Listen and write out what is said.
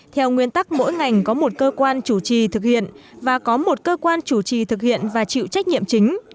theo nguyên tắc mỗi ngành có một cơ quan chủ trì thực hiện và có một cơ quan chủ trì thực hiện và chịu trách nhiệm chính